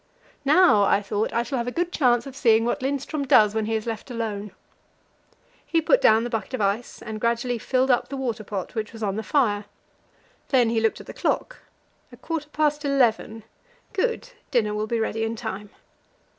Now, I thought, I shall have a good chance of seeing what Lindström does when he is left alone. He put down the bucket of ice, and gradually filled up the water pot which was on the fire. Then he looked at the clock: a quarter past eleven good; dinner will be ready in time.